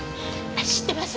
知ってます。